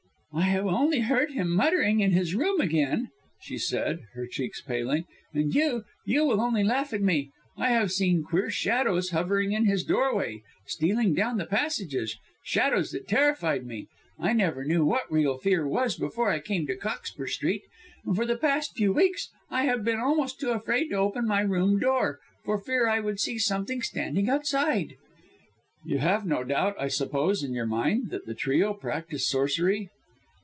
"I have only heard him muttering in his room again," she said, her cheeks paling. "And you will only laugh at me I have seen queer shadows hovering in his doorway and stealing down the passages, shadows that have terrified me. I never knew what real fear was before I came to Cockspur Street, and for the past few weeks I have been almost too afraid to open my room door, for fear I should see something standing outside." "You have no doubt, I suppose, in your own mind, that the trio practise sorcery?"